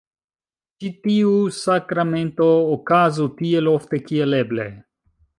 Ĉi tiu sakramento okazu tiel ofte kiel eble.